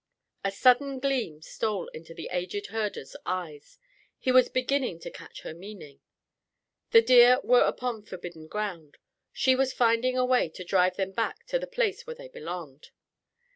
A sudden gleam stole into the aged herder's eyes. He was beginning to catch her meaning. The deer were upon forbidden ground. She was finding a way to drive them back to the place where they belonged.